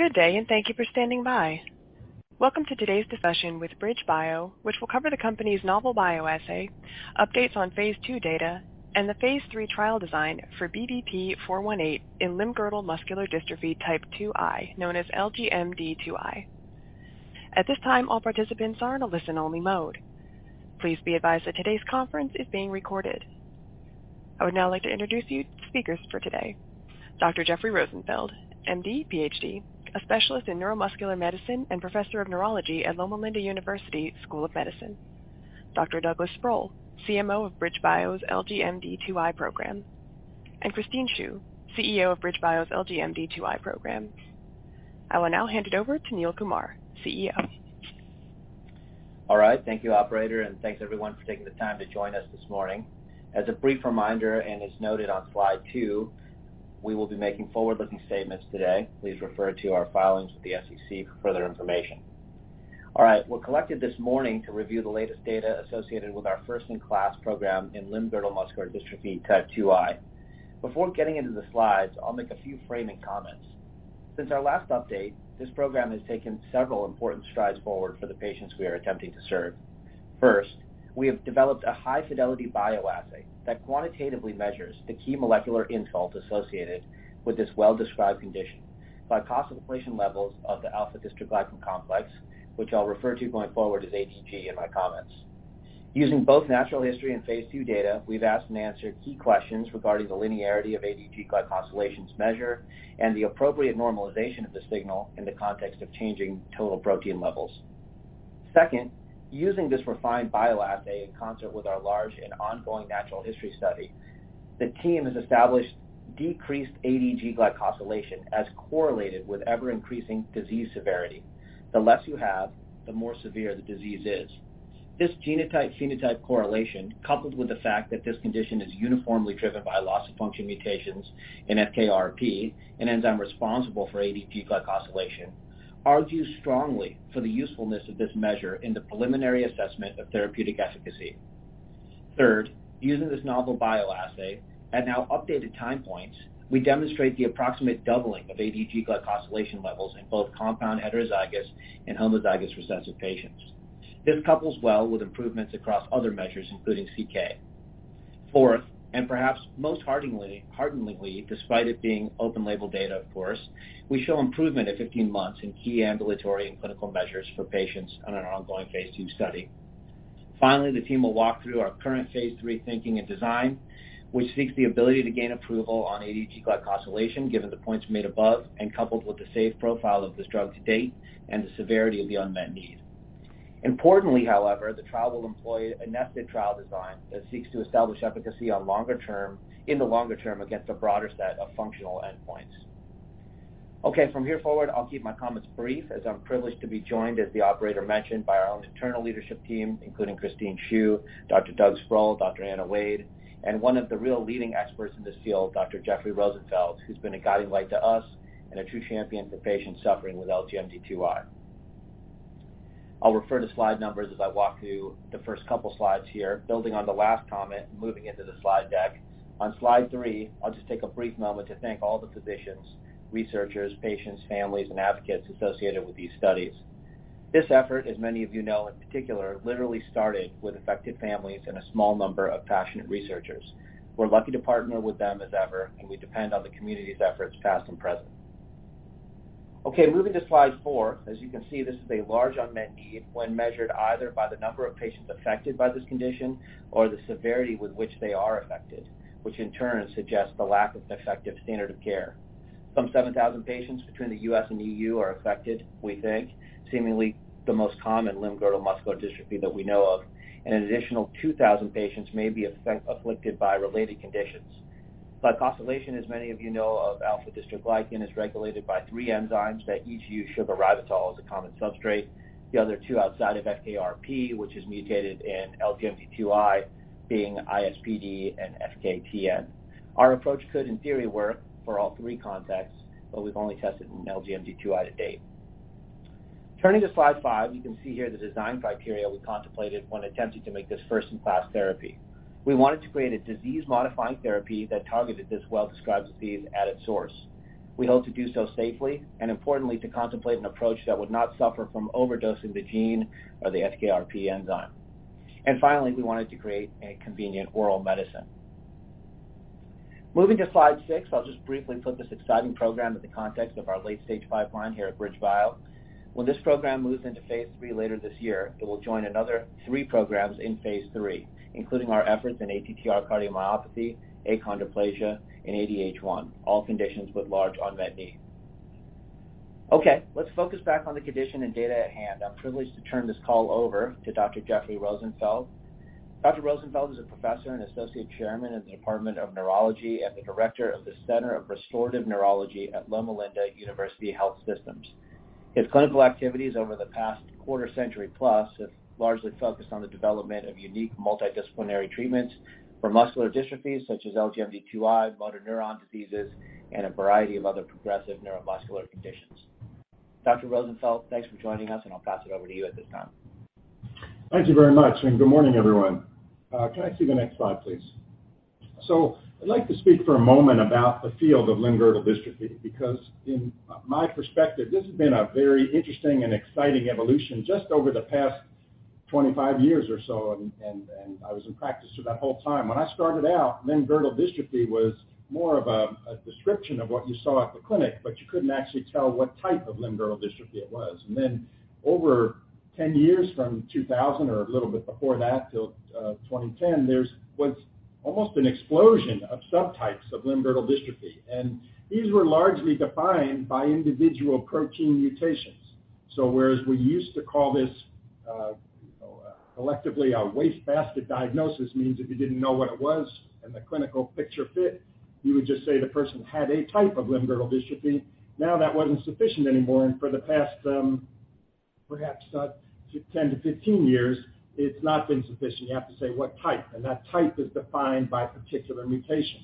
Good day. Thank you for standing by. Welcome to today's discussion with BridgeBio, which will cover the company's novel bioassay, updates on phase II data, and the phase III trial design for BBP-418 in limb-girdle muscular dystrophy type 2I, known as LGMD2I. At this time, all participants are in a listen-only mode. Please be advised that today's conference is being recorded. I would now like to introduce you to speakers for today, Dr. Jeffrey Rosenfeld, MD, PhD, a specialist in neuromuscular medicine and Professor of Neurology at Loma Linda University School of Medicine. Dr. Douglas Sproule, CMO of BridgeBio's LGMD2I program, and Christine Siu, CEO of BridgeBio's LGMD2I program. I will now hand it over to Neil Kumar, CEO. All right. Thank you, operator, thanks everyone for taking the time to join us this morning. As a brief reminder, and as noted on slide two, we will be making forward-looking statements today. Please refer to our filings with the SEC for further information. All right. We're collected this morning to review the latest data associated with our first-in-class program in limb-girdle muscular dystrophy type 2I. Before getting into the slides, I'll make a few framing comments. Since our last update, this program has taken several important strides forward for the patients we are attempting to serve. First, we have developed a high-fidelity bioassay that quantitatively measures the key molecular insult associated with this well-described condition by glycosylation levels of the alpha-dystroglycan complex, which I'll refer to going forward as αDG in my comments. Using both natural history and phase II data, we've asked and answered key questions regarding the linearity of αDG glycosylation's measure and the appropriate normalization of the signal in the context of changing total protein levels. Second, using this refined bioassay in concert with our large and ongoing natural history study, the team has established decreased αDG glycosylation as correlated with ever-increasing disease severity. The less you have, the more severe the disease is. This genotype/phenotype correlation, coupled with the fact that this condition is uniformly driven by loss-of-function mutations in FKRP, an enzyme responsible for αDG glycosylation, argues strongly for the usefulness of this measure in the preliminary assessment of therapeutic efficacy. Third, using this novel bioassay at now updated time points, we demonstrate the approximate doubling of αDG glycosylation levels in both compound heterozygous and homozygous recessive patients. This couples well with improvements across other measures, including CK. Fourth, perhaps most hearteningly, despite it being open label data, of course, we show improvement at 15 months in key ambulatory and clinical measures for patients on an ongoing phase II study. The team will walk through our current phase III thinking and design, which seeks the ability to gain approval on αDG glycosylation, given the points made above and coupled with the safe profile of this drug to date and the severity of the unmet need. However, the trial will employ a nested trial design that seeks to establish efficacy in the longer term against a broader set of functional endpoints. Okay. From here forward, I'll keep my comments brief as I'm privileged to be joined, as the operator mentioned, by our own internal leadership team, including Christine Siu, Dr. Doug Sproule. Anna Wade, one of the real leading experts in this field, Dr. Jeffrey Rosenfeld, who's been a guiding light to us and a true champion for patients suffering with LGMD2I. I'll refer to slide numbers as I walk through the first couple slides here. Building on the last comment and moving into the slide deck. On slide three, I'll just take a brief moment to thank all the physicians, researchers, patients, families, and advocates associated with these studies. This effort, as many of you know, in particular, literally started with affected families and a small number of passionate researchers. We're lucky to partner with them as ever, and we depend on the community's efforts, past and present. Okay, moving to slide four. As you can see, this is a large unmet need when measured either by the number of patients affected by this condition or the severity with which they are affected, which in turn suggests the lack of effective standard of care. Some 7,000 patients between the U.S. and EU are affected, we think, seemingly the most common limb-girdle muscular dystrophy that we know of. An additional 2,000 patients may be afflicted by related conditions. Glycosylation, as many of you know, of alpha-dystroglycan is regulated by three enzymes that each use sugar ribitol as a common substrate. The other two outside of FKRP, which is mutated in LGMD2I being ISPD and FKTN. Our approach could, in theory, work for all three contexts, but we've only tested in LGMD2I to date. Turning to slide five, you can see here the design criteria we contemplated when attempting to make this first-in-class therapy. We wanted to create a disease-modifying therapy that targeted this well-described disease at its source. We hope to do so safely and importantly, to contemplate an approach that would not suffer from overdosing the gene or the FKRP enzyme. Finally, we wanted to create a convenient oral medicine. Moving to slide 6. I'll just briefly put this exciting program in the context of our late-stage pipeline here at BridgeBio. When this program moves into Phase 3 later this year, it will join another three programs in Phase 3, including our efforts in ATTR cardiomyopathy, achondroplasia, and ADH1, all conditions with large unmet need. Let's focus back on the condition and data at hand. I'm privileged to turn this call over to Dr. Jeffrey Rosenfeld. Dr. Rosenfeld is a professor and associate chairman of the Department of Neurology and the director of the Center for Restorative Neurology at Loma Linda University Health. His clinical activities over the past quarter-century plus have largely focused on the development of unique multidisciplinary treatments for muscular dystrophies such as LGMD2I, motor neuron diseases, and a variety of other progressive neuromuscular conditions. Dr. Rosenfeld, thanks for joining us. I'll pass it over to you at this time. Thank you very much, and good morning, everyone. Can I see the next slide, please? I'd like to speak for a moment about the field of limb-girdle dystrophy because in my perspective, this has been a very interesting and exciting evolution just over the past 25 years or so, and I was in practice for that whole time. When I started out, limb-girdle dystrophy was more of a description of what you saw at the clinic, but you couldn't actually tell what type of limb-girdle dystrophy it was. Over 10 years from 2000 or a little bit before that till 2010, there's what's almost an explosion of subtypes of limb-girdle dystrophy. These were largely defined by individual protein mutations. Whereas we used to call this, you know, collectively a wastebasket diagnosis, means if you didn't know what it was and the clinical picture fit, you would just say the person had a type of limb-girdle dystrophy. That wasn't sufficient anymore. For the past, perhaps, 10 to 15 years, it's not been sufficient. You have to say what type. That type is defined by particular mutations.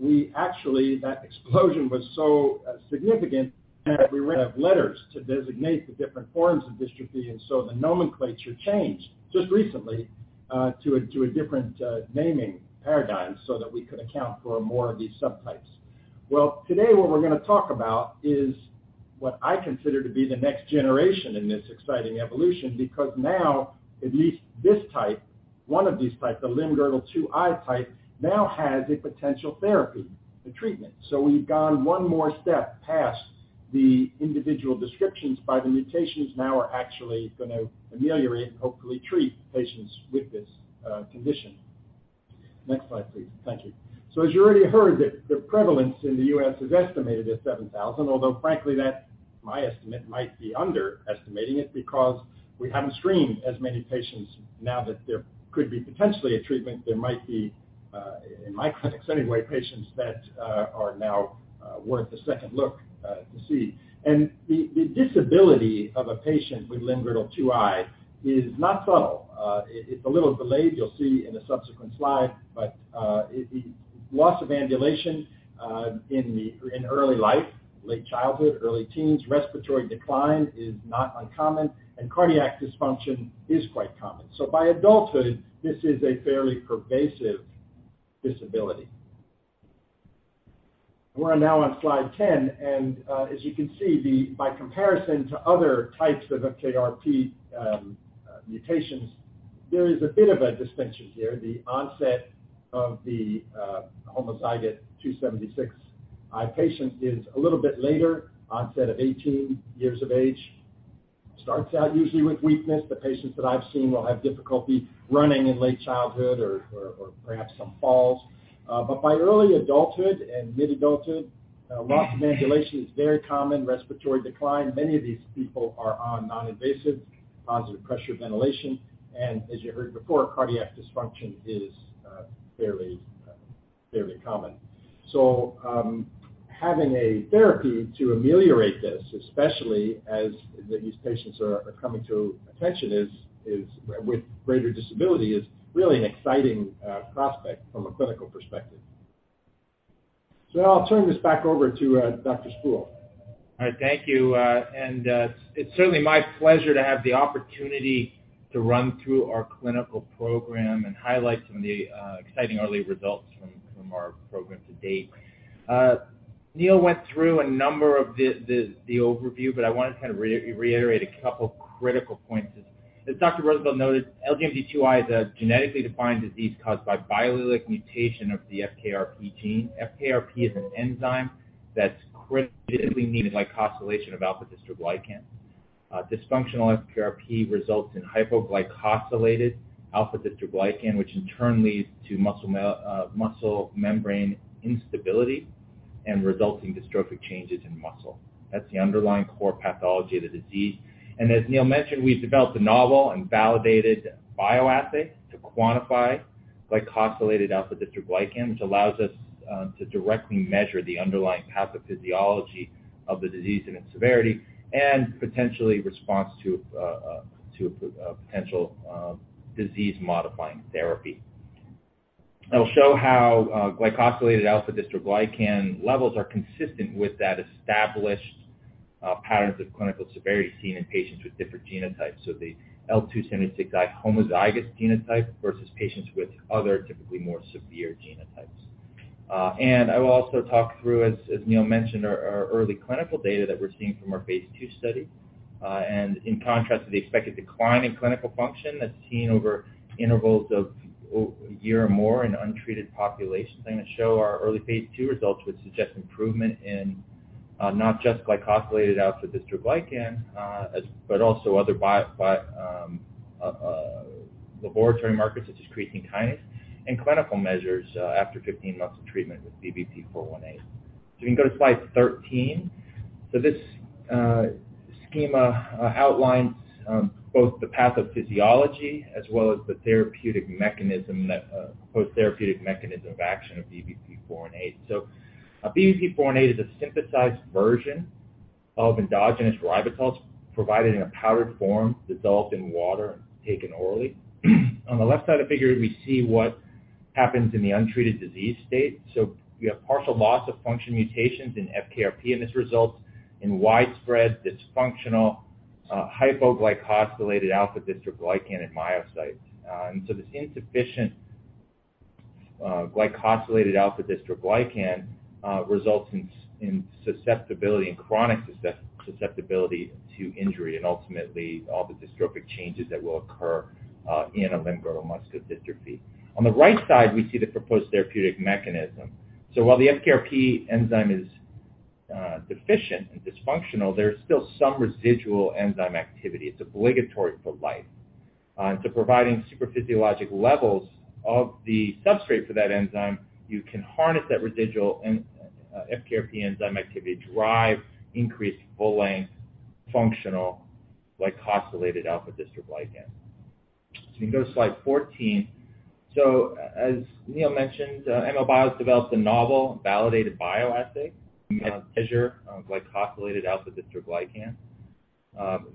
We actually. That explosion was so significant that we wrote letters to designate the different forms of dystrophy. The nomenclature changed just recently, to a different naming paradigm so that we could account for more of these subtypes. Well, today what we're gonna talk about is what I consider to be the next generation in this exciting evolution because now at least this type, one of these types, the limb-girdle 2I type, now has a potential therapy, a treatment. We've gone one more step past the individual descriptions by the mutations now are actually gonna ameliorate and hopefully treat patients with this condition. Next slide, please. Thank you. As you already heard, the prevalence in the U.S. is estimated at 7,000, although frankly that, my estimate, might be underestimating it because we haven't screened as many patients. Now that there could be potentially a treatment, there might be in my clinics anyway, patients that are now worth a second look to see. The disability of a patient with limb-girdle 2I is not subtle. It's a little delayed, you'll see in a subsequent slide, but loss of ambulation in early life, late childhood, early teens. Respiratory decline is not uncommon, and cardiac dysfunction is quite common. By adulthood, this is a fairly pervasive disability. We're now on slide 10. As you can see, by comparison to other types of FKRP mutations, there is a bit of a distinction here. The onset of the homozygous L276I patient is a little bit later, onset of 18 years of age. Starts out usually with weakness. The patients that I've seen will have difficulty running in late childhood or perhaps some falls. By early adulthood and mid-adulthood, loss of ambulation is very common, respiratory decline. Many of these people are on non-invasive positive pressure ventilation. As you heard before, cardiac dysfunction is fairly common. Having a therapy to ameliorate this, especially as these patients are coming to attention is with greater disability, is really an exciting prospect from a clinical perspective. Now I'll turn this back over to Dr. Sproule. All right. Thank you. It's certainly my pleasure to have the opportunity to run through our clinical program and highlight some of the exciting early results from our program to date. Neil went through a number of the overview, I wanted to kind of reiterate a couple critical points. As Dr. Rosenfeld noted, LGMD2I is a genetically defined disease caused by biallelic mutation of the FKRP gene. FKRP is an enzyme that's critically needed for glycosylation of alpha-dystroglycan. Dysfunctional FKRP results in hypoglycosylated alpha-dystroglycan, which in turn leads to muscle membrane instability and resulting dystrophic changes in muscle. That's the underlying core pathology of the disease. As Neil mentioned, we've developed a novel and validated bioassay to quantify glycosylated alpha-dystroglycan, which allows us to directly measure the underlying pathophysiology of the disease and its severity and potentially response to a potential disease-modifying therapy. I'll show how glycosylated alpha-dystroglycan levels are consistent with that established patterns of clinical severity seen in patients with different genotypes. The L276I homozygous genotype versus patients with other typically more severe genotypes. I will also talk through, as Neil mentioned, our early clinical data that we're seeing from our phase 2 study. And in contrast to the expected decline in clinical function that's seen over intervals of a year or more in untreated populations, I'm gonna show our early phase 2 results, which suggest improvement in not just glycosylated alpha-dystroglycan, but also other laboratory markers such as creatine kinase and clinical measures, after 15 months of treatment with BBP-418. We can go to slide 13. This schema outlines both the pathophysiology as well as the therapeutic mechanism that post-therapeutic mechanism of action of BBP-418. A BBP-418 is a synthesized version of endogenous ribitol provided in a powdered form dissolved in water and taken orally. On the left side of the figure, we see what happens in the untreated disease state. We have partial loss of function mutations in FKRP, and this results in widespread dysfunctional, hypoglycosylated alpha-dystroglycan and myocytes. This insufficient glycosylated alpha-dystroglycan results in susceptibility and chronic susceptibility to injury and ultimately all the dystrophic changes that will occur in a limb girdle muscular dystrophy. On the right side, we see the proposed therapeutic mechanism. While the FKRP enzyme is deficient and dysfunctional, there's still some residual enzyme activity. It's obligatory for life. Providing super physiologic levels of the substrate for that enzyme, you can harness that residual FKRP enzyme activity, drive increased full-length functional glycosylated alpha-dystroglycan. You can go to slide 14. As Neil mentioned, ML Bio has developed a novel validated bioassay to measure glycosylated alpha-dystroglycan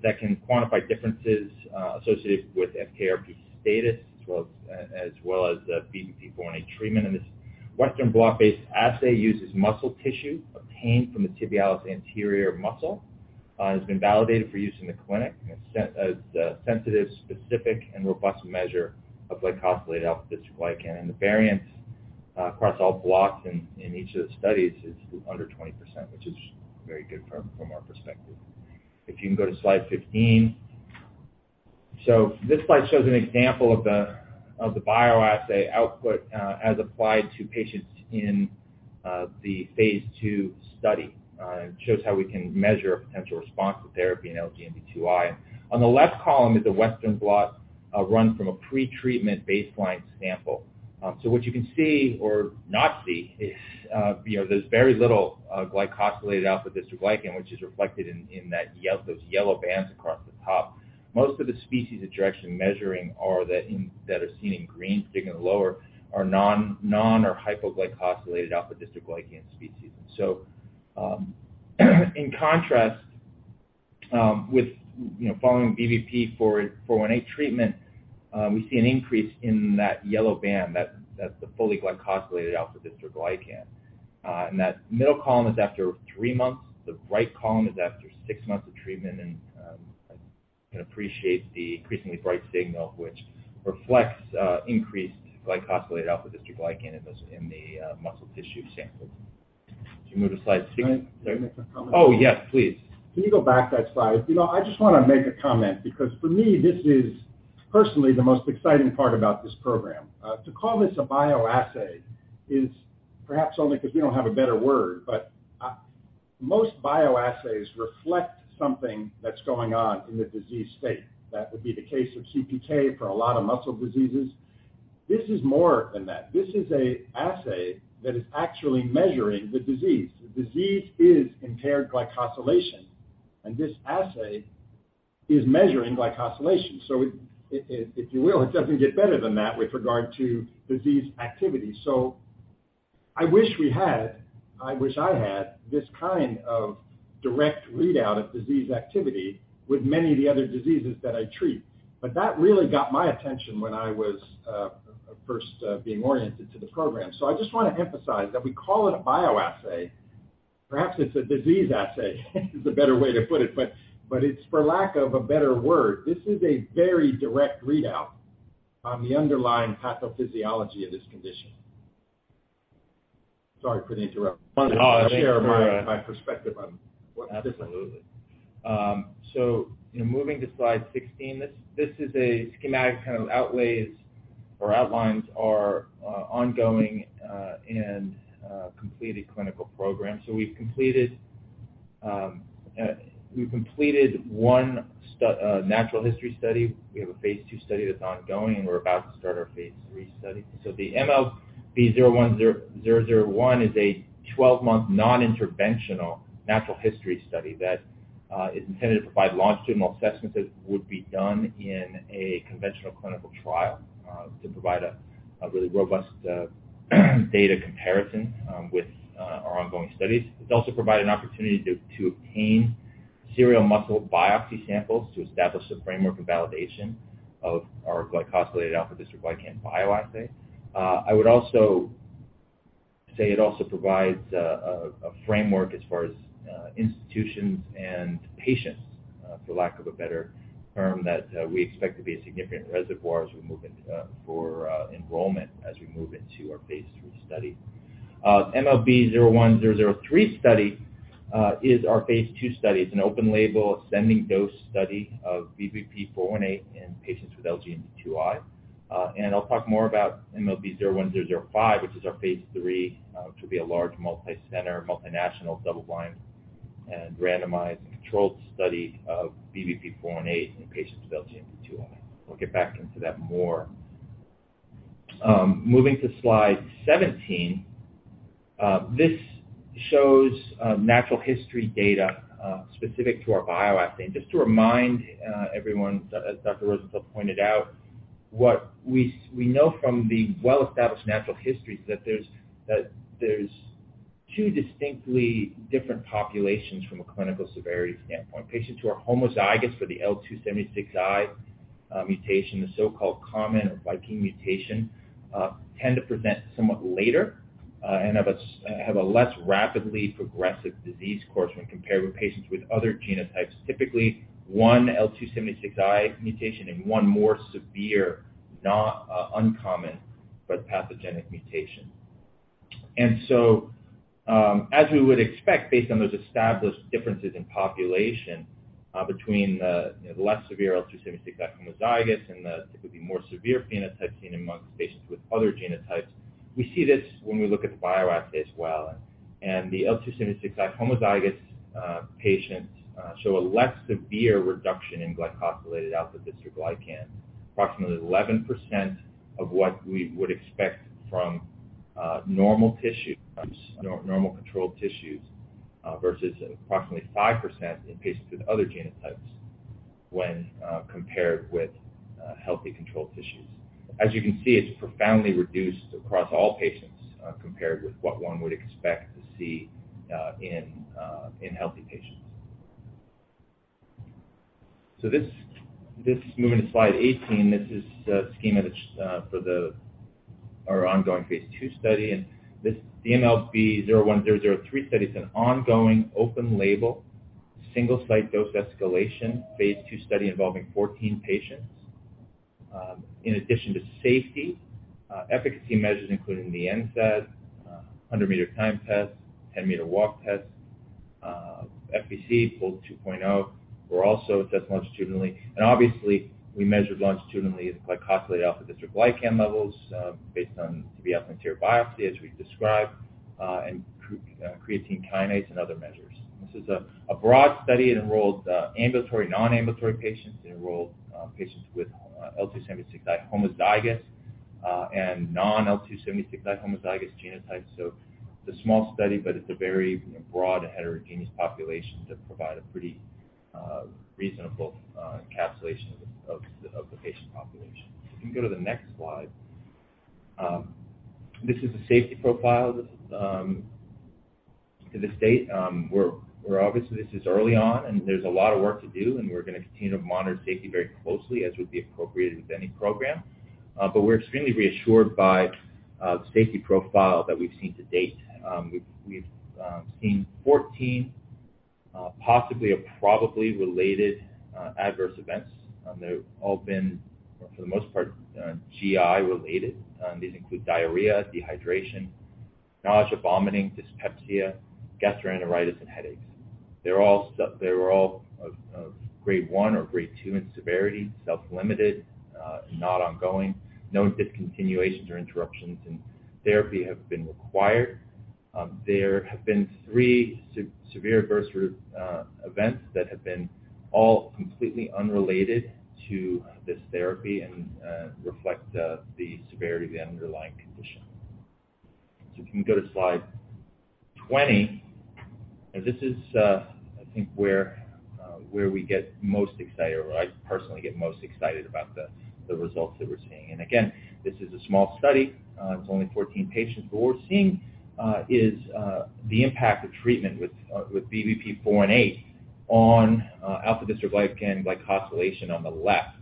that can quantify differences associated with FKRP status as well as the BBP-418 treatment. This western blot-based assay uses muscle tissue obtained from the tibialis anterior muscle and has been validated for use in the clinic as a sensitive, specific, and robust measure of glycosylated alpha-dystroglycan. The variance across all blocks in each of the studies is under 20%, which is very good from our perspective. If you can go to slide 15. This slide shows an example of the bioassay output as applied to patients in the phase 2 study. It shows how we can measure a potential response to therapy in LGMD2I. On the left column is a western blot, run from a pretreatment baseline sample. What you can see or not see is, you know, there's very little glycosylated alpha-dystroglycan, which is reflected in those yellow bands across the top. Most of the species that you're actually measuring are that are seen in green, particularly lower, are non- or hypoglycosylated alpha-dystroglycan species. In contrast, with, you know, following BBP-418 treatment, we see an increase in that yellow band. That's the fully glycosylated alpha-dystroglycan. That middle column is after three months. The right column is after six months of treatment. You can appreciate the increasingly bright signal which reflects increased glycosylated alpha-dystroglycan in the muscle tissue sample. If you move to slide six. Can I make a comment? Oh, yes, please. Can you go back that slide? You know, I just wanna make a comment because for me, this is personally the most exciting part about this program. To call this a bioassay is perhaps only 'cause we don't have a better word. Most bioassays reflect something that's going on in the disease state. That would be the case of CPT for a lot of muscle diseases. This is more than that. This is a assay that is actually measuring the disease. The disease is impaired glycosylation, and this assay is measuring glycosylation. it, if you will, it doesn't get better than that with regard to disease activity. I wish I had this kind of direct readout of disease activity with many of the other diseases that I treat. That really got my attention when I was first being oriented to the program. I just wanna emphasize that we call it a bioassay. Perhaps it's a disease assay, is a better way to put it, but it's for lack of a better word. This is a very direct readout on the underlying pathophysiology of this condition. Sorry for the interruption. Oh, no. Thanks very much. Just share my perspective on what's different. Absolutely. You know, moving to slide 16. This is a schematic, kind of outlays or outlines our ongoing and completed clinical program. We've completed one natural history study. We have a phase 2 study that's ongoing, and we're about to start our phase III study. The MLB-01-001 is a 12-month non-interventional natural history study that is intended to provide longitudinal assessments that would be done in a conventional clinical trial to provide a really robust data comparison with our ongoing studies. It's also provided an opportunity to obtain serial muscle biopsy samples to establish the framework and validation of our glycosylated alpha-dystroglycan bioassay. I would also say it also provides a framework as far as institutions and patients, for lack of a better term, that we expect to be a significant reservoir as we move into for enrollment as we move into our phase III study. ML-003 study is our phase II study. It's an open label ascending dose study of BBP-418 in patients with LGMD2I. I'll talk more about ML-005, which is our phase III, which will be a large multi-center, multinational, double-blind, and randomized controlled study of BBP-418 in patients with LGMD2I. We'll get back into that more. Moving to slide 17. This shows natural history data specific to our bioassay. Just to remind everyone, as Dr. Rosenfeld pointed out, what we know from the well-established natural history is that there's two distinctly different populations from a clinical severity standpoint. Patients who are homozygous for the L276I mutation, the so-called common or Viking mutation, tend to present somewhat later and have a less rapidly progressive disease course when compared with patients with other genotypes. Typically, 1 L276I mutation and 1 more severe, not uncommon, but pathogenic mutation. As we would expect based on those established differences in population, between the less severe L276I homozygous and the typically more severe phenotype seen amongst patients with other genotypes, we see this when we look at the bioassay as well. The L276I homozygous patients show a less severe reduction in glycosylated alpha-dystroglycan, approximately 11% of what we would expect from normal tissues, normal controlled tissues, versus approximately 5% in patients with other genotypes when compared with healthy controlled tissues. It's profoundly reduced across all patients, compared with what one would expect to see in healthy patients. This, moving to slide 18, this is a schema that's for our ongoing phase 2 study. This ML-003 study is an ongoing open-label, single-site dose escalation phase 2 study involving 14 patients. In addition to safety, efficacy measures including the NSAD, 100-meter time test, 10-meter walk test, FVC, FEV2.0. We're also assessed longitudinally. Obviously, we measured longitudinally the glycosylated alpha-dystroglycan levels, based on the anterior biopsy, as we described, and creatine kinase and other measures. This is a broad study. It enrolled ambulatory, non-ambulatory patients. It enrolled patients with L276I homozygous and non-L276I homozygous genotypes. It's a small study, but it's a very broad heterogeneous population to provide a pretty reasonable encapsulation of the patient population. If you can go to the next slide. This is a safety profile. This is to this date, we're obviously this is early on, and there's a lot of work to do, and we're going to continue to monitor safety very closely, as would be appropriate with any program. We're extremely reassured by the safety profile that we've seen to date. We've seen 14 possibly or probably related adverse events. They've all been, for the most part, GI related. These include diarrhea, dehydration, nausea, vomiting, dyspepsia, gastroenteritis, and headaches. They were all of grade 1 or grade 2 in severity, self-limited, not ongoing. No discontinuations or interruptions in therapy have been required. There have been three severe adverse events that have been all completely unrelated to this therapy and reflect the severity of the underlying condition. If you can go to slide 20. This is I think where we get most excited, or I personally get most excited about the results that we're seeing. Again, this is a small study. It's only 14 patients. What we're seeing is the impact of treatment with BBP-418 on alpha-dystroglycan glycosylation on the left.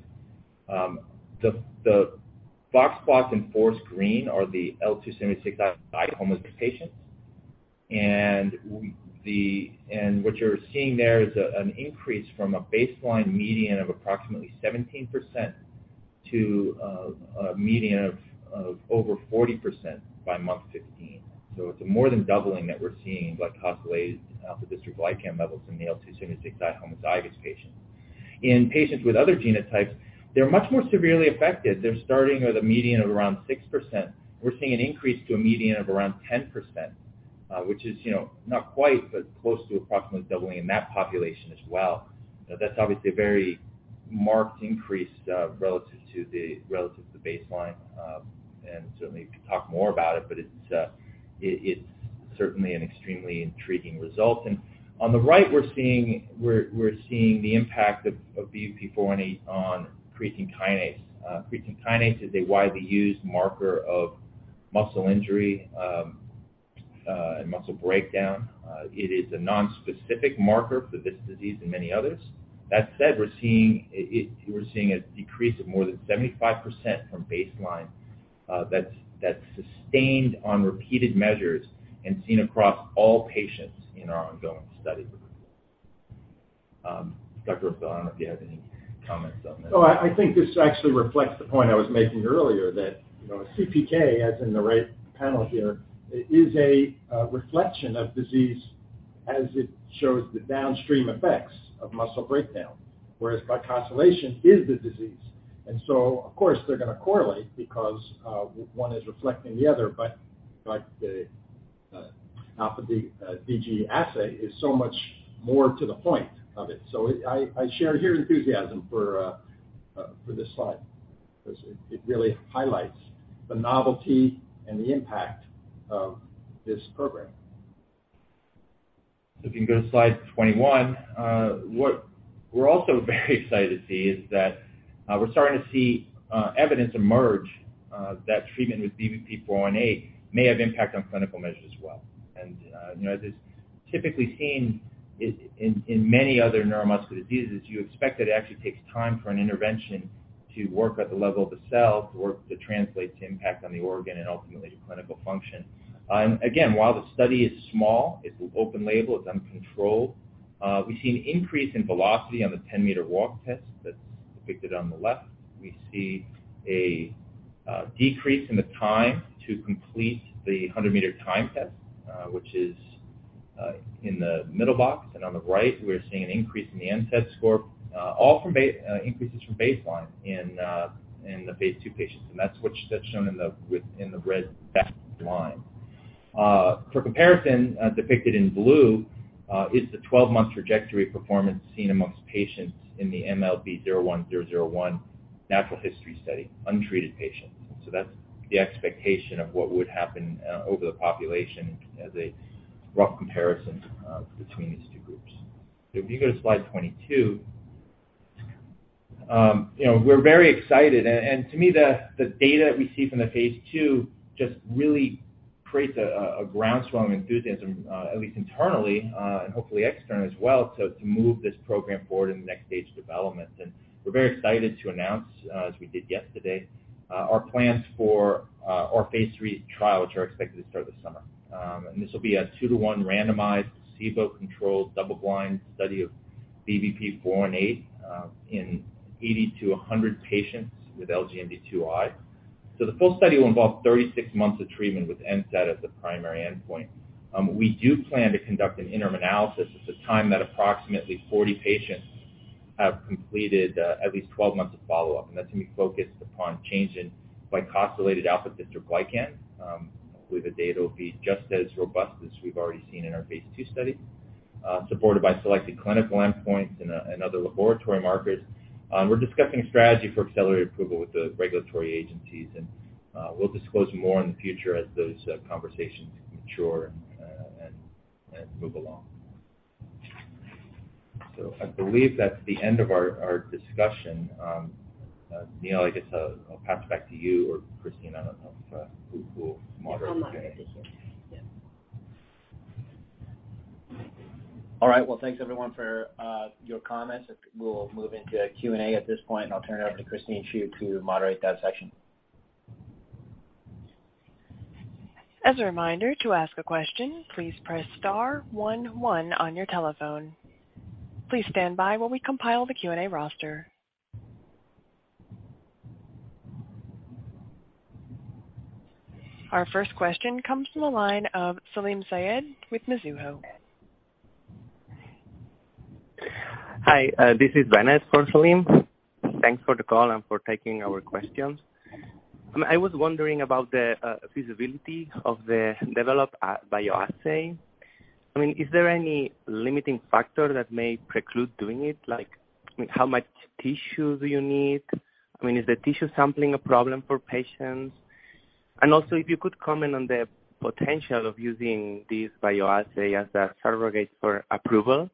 The box plots in forest green are the L276I homozygous patients. What you're seeing there is an increase from a baseline median of approximately 17% to a median of over 40% by month 15. It's more than doubling that we're seeing glycosylated alpha-dystroglycan levels in the L276I homozygous patients. In patients with other genotypes, they're much more severely affected. They're starting with a median of around 6%. We're seeing an increase to a median of around 10%, which is, you know, not quite, but close to approximately doubling in that population as well. That's obviously a very marked increase, relative to the baseline. Certainly we could talk more about it, but it's certainly an extremely intriguing result. On the right we're seeing the impact of BBP-418 on creatine kinase. Creatine kinase is a widely used marker of muscle injury and muscle breakdown. It is a nonspecific marker for this disease and many others. That said, we're seeing a decrease of more than 75% from baseline that's sustained on repeated measures and seen across all patients in our ongoing study. Dr. Rosenfeld, I don't know if you have any comments on this. No, I think this actually reflects the point I was making earlier that, you know, CPK, as in the right panel here, is a reflection of disease as it shows the downstream effects of muscle breakdown, whereas glycosylation is the disease. Of course, they're gonna correlate because one is reflecting the other. Like the alpha-DG assay is so much more to the point of it. I share your enthusiasm for this slide 'cause it really highlights the novelty and the impact of this program. If you can go to slide 21. What we're also very excited to see is that we're starting to see evidence emerge that treatment with BBP-418 may have impact on clinical measures as well. You know, as is typically seen in many other neuromuscular diseases, you expect that it actually takes time for an intervention to work at the level of the cell to work to translate, to impact on the organ and ultimately to clinical function. Again, while the study is small, it's open label, it's uncontrolled, we see an increase in velocity on the 10-meter walk test that's depicted on the left. We see a decrease in the time to complete the 100-meter time test, which is in the middle box. On the right, we are seeing an increase in the NS score, all increases from baseline in the Phase 2 patients, and that is what is shown in the red dashed line. For comparison, depicted in blue, is the 12-month trajectory performance seen amongst patients in the MLB-01-001 natural history study, untreated patients. So that is the expectation of what would happen over the population as a rough comparison between these two groups. If you go to slide 22. You know, we are very excited. To me, the data we see from the Phase 2 just really creates a groundswell of enthusiasm, at least internally, and hopefully external as well, to move this program forward in the next phase of development. We're very excited to announce, as we did yesterday, our plans for our Phase 3 trial, which are expected to start this summer. This will be a two-to-one randomized placebo-controlled double-blind study of BBP-418 in 80-100 patients with LGMD2I. The full study will involve 36 months of treatment with NSAD as the primary endpoint. We do plan to conduct an interim analysis at the time that approximately 40 patients have completed at least 12 months of follow-up, and that's going to be focused upon change in glycosylated alpha-dystroglycan. Hopefully the data will be just as robust as we've already seen in our Phase 2 study, supported by selected clinical endpoints and other laboratory markers. We're discussing strategy for accelerated approval with the regulatory agencies. We'll disclose more in the future as those conversations mature and move along. I believe that's the end of our discussion. Neil, I guess I'll pass it back to you or Christine. I don't know who will moderate today. I'll moderate this here. Yeah. All right. Well, thanks everyone for your comments. We'll move into Q&A at this point, and I'll turn it over to Christine Siu to moderate that section. As a reminder, to ask a question, please press star one one on your telephone. Please stand by while we compile the Q&A roster. Our first question comes from the line of Salim Syed with Mizuho. Hi, this is Venice for Salim. Thanks for the call and for taking our questions. I was wondering about the feasibility of the developed bioassay. I mean, is there any limiting factor that may preclude doing it? Like, how much tissue do you need? I mean, is the tissue sampling a problem for patients? Also, if you could comment on the potential of using this bioassay as a surrogate for approval,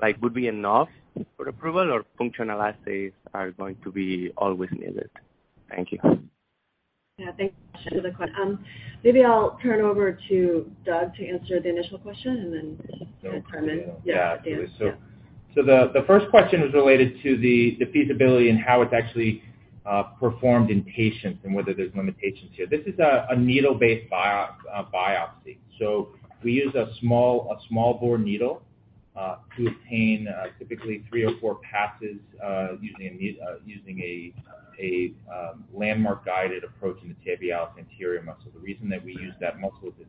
like would be enough for approval or functional assays are going to be always needed? Thank you. Yeah. Maybe I'll turn over to Doug to answer the initial question and then comment. Yeah. Yeah. The first question was related to the feasibility and how it's actually performed in patients and whether there's limitations here. This is a needle-based biopsy. We use a small bore needle to obtain typically 3 or 4 passes using a landmark guided approach in the tibialis anterior muscle. The reason that we use that muscle is its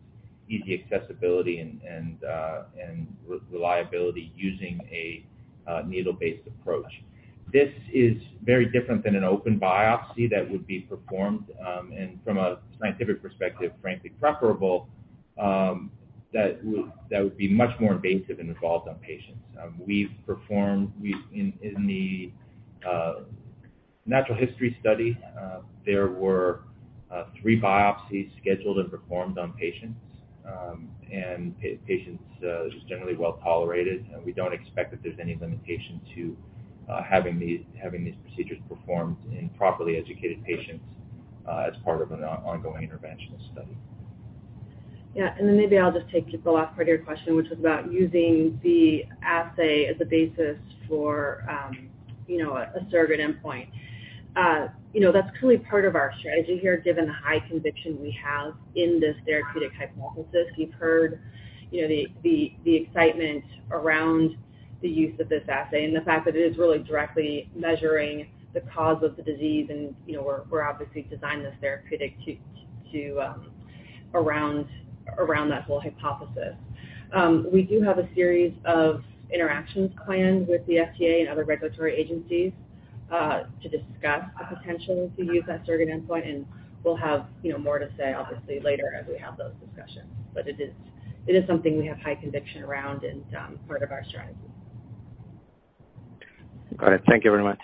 easy accessibility and re-reliability using a needle-based approach. This is very different than an open biopsy that would be performed and from a scientific perspective, frankly preferable, that would be much more invasive and involved on patients. In the natural history study, there were three biopsies scheduled and performed on patients. patients, it was generally well tolerated, and we don't expect that there's any limitation to having these procedures performed in properly educated patients, as part of an ongoing interventional study. Yeah. Then maybe I'll just take the last part of your question, which is about using the assay as a basis for, you know, a surrogate endpoint. You know, that's clearly part of our strategy here, given the high conviction we have in this therapeutic hypothesis. You've heard, you know, the excitement around the use of this assay and the fact that it is really directly measuring the cause of the disease. You know, we're obviously designed this therapeutic to around that whole hypothesis. We do have a series of interactions planned with the FDA and other regulatory agencies to discuss the potential to use that surrogate endpoint. We'll have, you know, more to say obviously later as we have those discussions. It is something we have high conviction around and, part of our strategy. Got it. Thank you very much.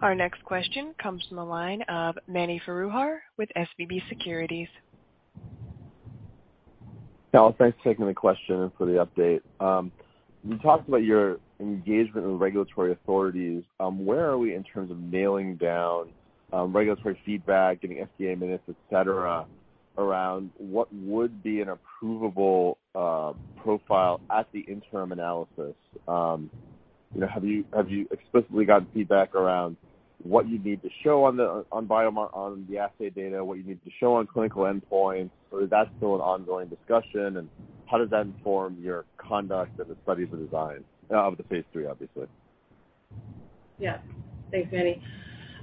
Our next question comes from the line of Mani Foroohar with SVB Securities. Thanks for taking the question and for the update. You talked about your engagement with regulatory authorities. Where are we in terms of nailing down regulatory feedback, getting FDA minutes, et cetera, around what would be an approvable profile at the interim analysis? You know, have you explicitly gotten feedback around what you need to show on the assay data, what you need to show on clinical endpoint? Is that still an ongoing discussion? How does that inform your conduct of the study of the design of the phase 3, obviously? Yeah. Thanks, Mani.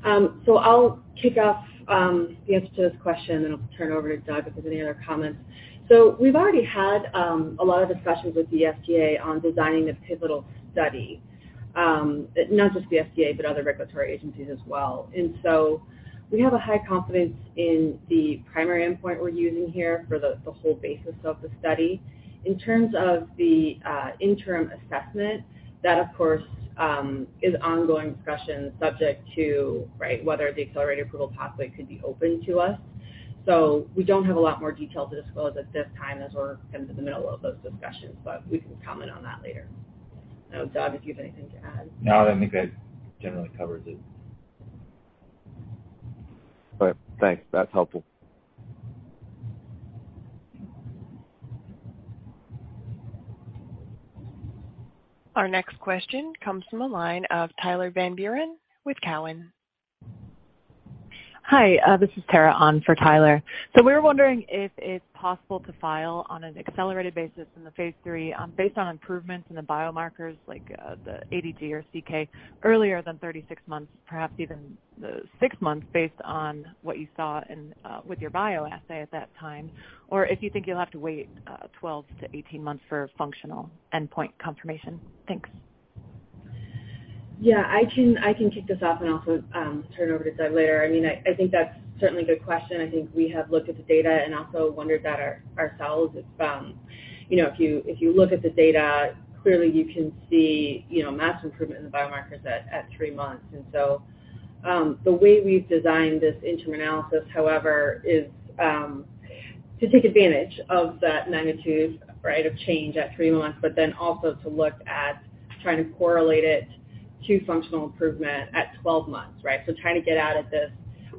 I'll kick off the answer to this question, and I'll turn over to Doug if there's any other comments. We've already had a lot of discussions with the FDA on designing a pivotal study. Not just the FDA, but other regulatory agencies as well. We have a high confidence in the primary endpoint we're using here for the whole basis of the study. In terms of the interim assessment, that, of course, is ongoing discussions subject to whether the accelerated approval pathway could be open to us. We don't have a lot more detail to disclose at this time as we're kind of in the middle of those discussions, but we can comment on that later. I don't know, Doug, if you have anything to add. No, I think that generally covers it. All right. Thanks. That's helpful. Our next question comes from the line of Tyler Van Buren with Cowen. Hi, this is Tara on for Tyler. We're wondering if it's possible to file on an accelerated basis in the phase 3, based on improvements in the biomarkers like the ADG or C.K. earlier than 36 months, perhaps even six months based on what you saw in with your bioassay at that time, or if you think you'll have to wait, 12-18 months for functional endpoint confirmation? Thanks. Yeah. I can kick this off and also turn over to Doug later. I mean, I think that's certainly a good question. I think we have looked at the data and also wondered that ourselves. It's, you know, if you look at the data, clearly you can see, you know, massive improvement in the biomarkers at three months. The way we've designed this interim analysis, however, is to take advantage of that magnitude, right, of change at three months, also to look at trying to correlate it to functional improvement at 12 months, right? Trying to get at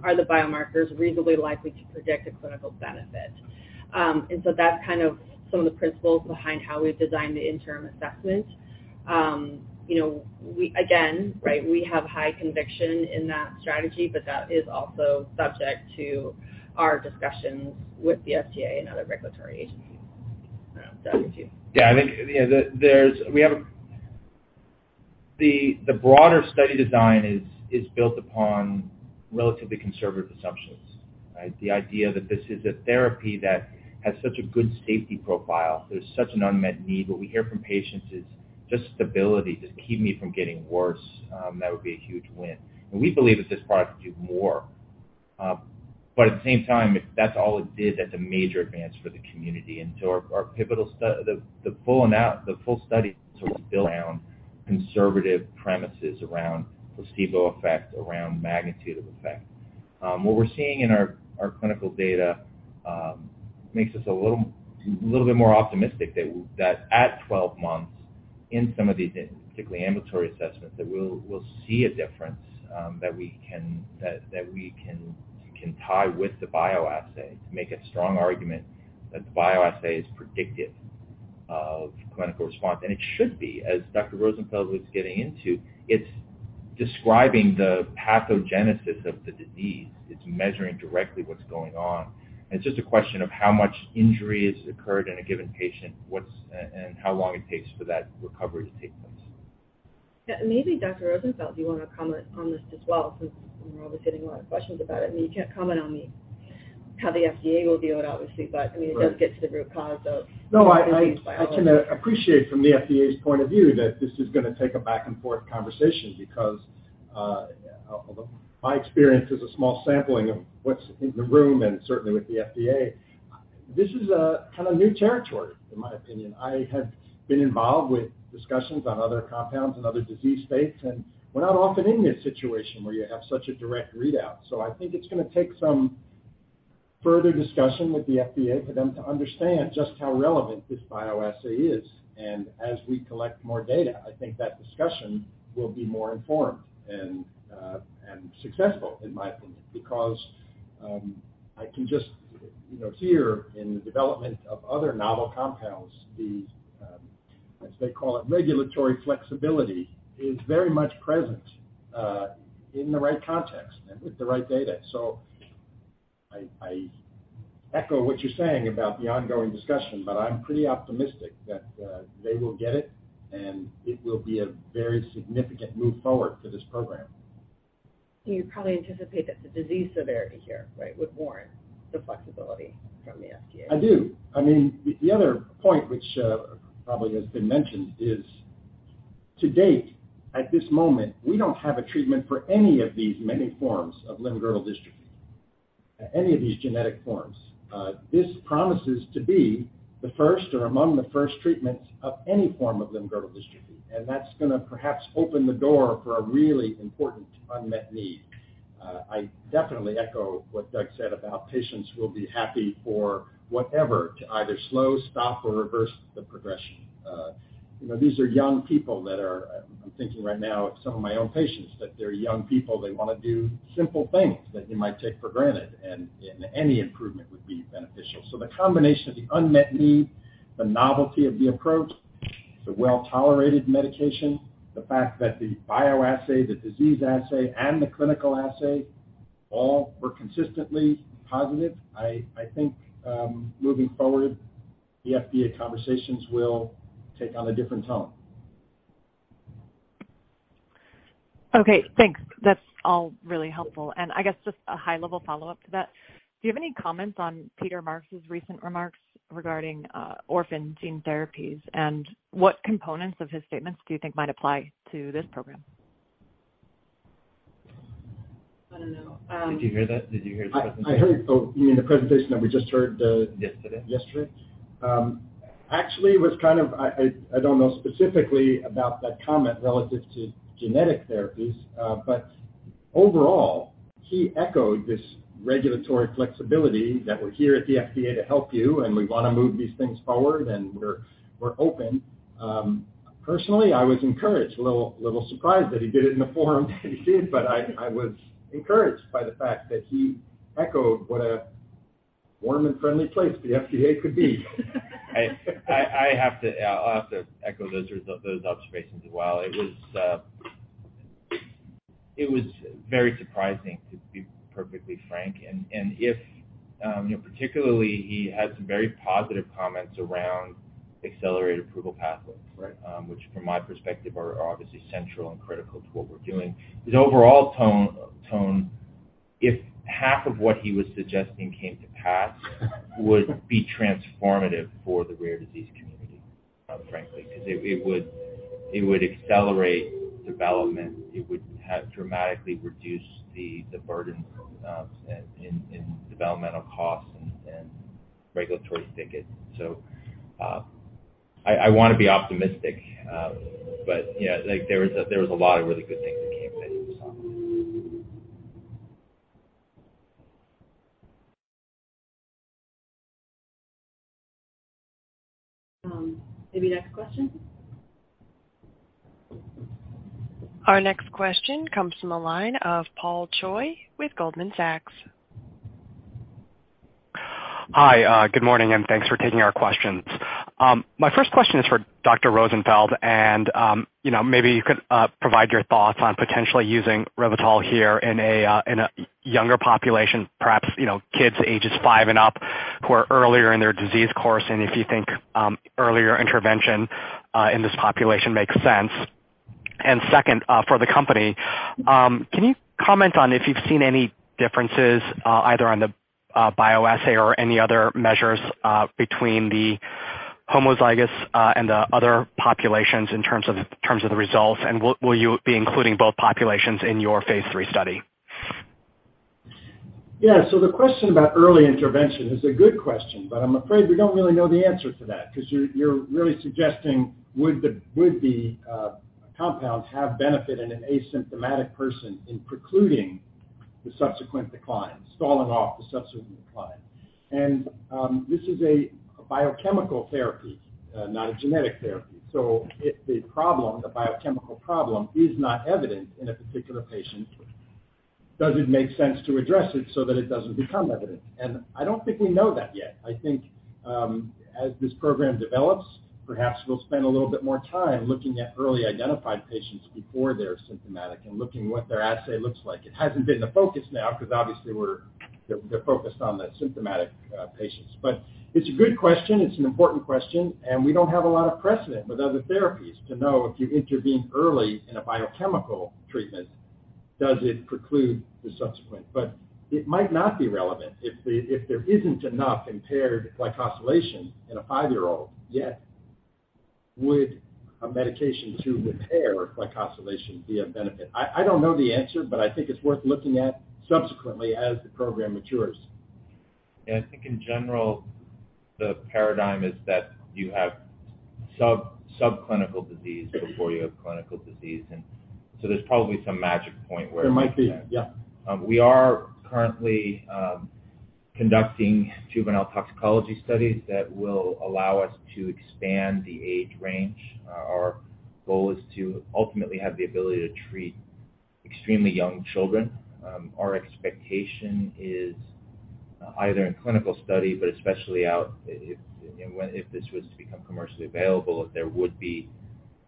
are the biomarkers reasonably likely to predict a clinical benefit? That's kind of some of the principles behind how we've designed the interim assessment. You know, again, right, we have high conviction in that strategy, but that is also subject to our discussions with the FDA and other regulatory agencies. I don't know, Doug, if you... Yeah, I think, you know, the broader study design is built upon relatively conservative assumptions, right? The idea that this is a therapy that has such a good safety profile, there's such an unmet need. What we hear from patients is just stability, just keep me from getting worse, that would be a huge win. We believe that this product could do more. At the same time, if that's all it did, that's a major advance for the community. Our pivotal the full study is built around conservative premises around placebo effect, around magnitude of effect. What we're seeing in our clinical data makes us a little bit more optimistic that at 12 months in some of these, particularly ambulatory assessments, that we'll see a difference that we can tie with the bioassay to make a strong argument that the bioassay is predictive of clinical response. It should be. As Dr. Rosenfeld was getting into, it's describing the pathogenesis of the disease. It's measuring directly what's going on. It's just a question of how much injury has occurred in a given patient, what's and how long it takes for that recovery to take place. Yeah. Maybe Dr. Rosenfeld, you wanna comment on this as well, since we're obviously getting a lot of questions about it. I mean, you can't comment on how the FDA will view it, obviously. Right. I mean, it does get to the root cause of I can appreciate from the FDA's point of view that this is gonna take a back and forth conversation because, although my experience is a small sampling of what's in the room and certainly with the FDA, this is a kinda new territory, in my opinion. I have been involved with discussions on other compounds and other disease states, and we're not often in this situation where you have such a direct readout. I think it's gonna take some further discussion with the FDA for them to understand just how relevant this bioassay is. As we collect more data, I think that discussion will be more informed and successful, in my opinion. I can just, you know, hear in the development of other novel compounds the, as they call it, regulatory flexibility is very much present in the right context and with the right data. I echo what you're saying about the ongoing discussion, but I'm pretty optimistic that they will get it, and it will be a very significant move forward for this program. You probably anticipate that the disease severity here, right, would warrant the flexibility from the FDA. I do. I mean, the other point which probably has been mentioned is, to date, at this moment, we don't have a treatment for any of these many forms of limb-girdle dystrophy. Any of these genetic forms. This promises to be the first or among the first treatments of any form of limb-girdle dystrophy. That's gonna perhaps open the door for a really important unmet need. I definitely echo what Doug said about patients will be happy for whatever to either slow, stop, or reverse the progression. You know, these are young people. I'm thinking right now of some of my own patients, that they're young people. They wanna do simple things that you might take for granted, and any improvement would be beneficial. The combination of the unmet need, the novelty of the approach, the well-tolerated medication, the fact that the bioassay, the disease assay, and the clinical assay all were consistently positive, I think, moving forward, the FDA conversations will take on a different tone. Okay, thanks. That's all really helpful. I guess just a high-level follow-up to that, do you have any comments on Peter Marks' recent remarks regarding orphan gene therapies? What components of his statements do you think might apply to this program? I don't know. Did you hear that? Did you hear his presentation? I heard. Oh, you mean the presentation that we just heard? Yesterday. Yesterday? Actually it was kind of, I don't know specifically about that comment relative to genetic therapies, but overall, he echoed this regulatory flexibility that we're here at the FDA to help you, and we wanna move these things forward, and we're open. Personally, I was encouraged. A little surprised that he did it in the forum that he did, but I was encouraged by the fact that he echoed what a warm and friendly place the FDA could be. I have to, yeah, I'll have to echo those observations as well. It was very surprising, to be perfectly frank. If... You know, particularly he had some very positive comments around accelerated approval pathways- Right. which from my perspective are obviously central and critical to what we're doing. His overall tone, if half of what he was suggesting came to pass, would be transformative for the rare disease community, frankly, 'cause it would, it would accelerate development. It would dramatically reduce the burden, in developmental costs and regulatory stickage. I wanna be optimistic. Yeah, like, there was a lot of really good things that came out of that, so. Maybe next question. Our next question comes from the line of Paul Choi with Goldman Sachs. Hi. Good morning, and thanks for taking our questions. My first question is for Dr. Rosenfeld, and, you know, maybe you could provide your thoughts on potentially using ribitol here in a younger population, perhaps, you know, kids ages five and up who are earlier in their disease course, and if you think earlier intervention in this population makes sense. Second, for the company, can you comment on if you've seen any differences, either on the bioassay or any other measures, between the homozygous and the other populations in terms of the results? Will you be including both populations in your phase 3 study? The question about early intervention is a good question, but I'm afraid we don't really know the answer to that 'cause you're really suggesting would the compounds have benefit in an asymptomatic person in precluding the subsequent decline, stalling off the subsequent decline. This is a biochemical therapy, not a genetic therapy. If the problem, the biochemical problem, is not evident in a particular patient, does it make sense to address it so that it doesn't become evident? I don't think we know that yet. I think as this program develops, perhaps we'll spend a little bit more time looking at early identified patients before they're symptomatic and looking what their assay looks like. It hasn't been the focus now because obviously we're, they're focused on the symptomatic patients. It's a good question. It's an important question, and we don't have a lot of precedent with other therapies to know if you intervene early in a biochemical treatment, does it preclude the subsequent? It might not be relevant. If there isn't enough impaired glycosylation in a five-year-old yet, would a medication to repair glycosylation be of benefit? I don't know the answer, but I think it's worth looking at subsequently as the program matures. Yeah. I think in general, the paradigm is that you have sub, subclinical disease before you have clinical disease. There's probably some magic point where- There might be. Yeah. We are currently conducting juvenile toxicology studies that will allow us to expand the age range. Our goal is to ultimately have the ability to treat extremely young children. Our expectation is either in clinical study, but especially out if, you know, if this was to become commercially available, there would be.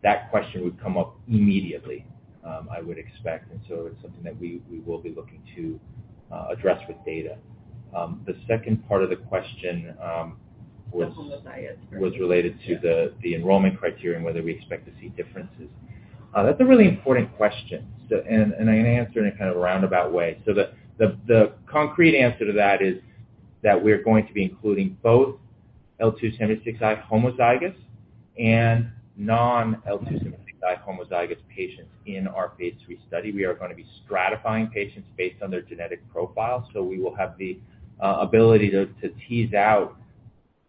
That question would come up immediately, I would expect. It's something that we will be looking to address with data. The second part of the question was- The homozygous version. was related to the enrollment criterion, whether we expect to see differences. That's a really important question. I'm gonna answer in a kind of roundabout way. The, the concrete answer to that is that we're going to be including both L276I homozygous and non L276I homozygous patients in our phase 3 study. We are gonna be stratifying patients based on their genetic profile, so we will have the ability to tease out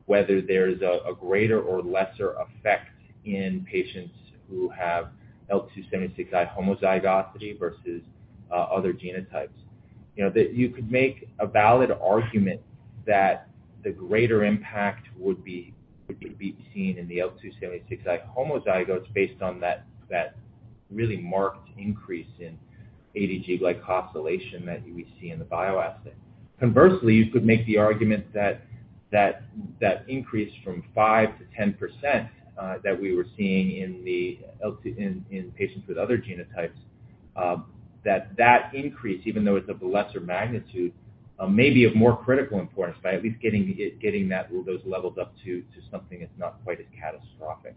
whether there's a greater or lesser effect in patients who have L276I homozygosity versus other genotypes. You know that you could make a valid argument that the greater impact would be seen in the L276I homozygotes based on that really marked increase in αDG glycosylation that we see in the bioassay. Conversely, you could make the argument that increase from 5% to 10%, that we were seeing in patients with other genotypes, that increase, even though it's of a lesser magnitude, may be of more critical importance by at least getting that, those levels up to something that's not quite as catastrophic.